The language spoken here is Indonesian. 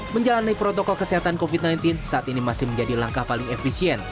menjalani protokol kesehatan covid sembilan belas saat ini masih menjadi langkah paling efisien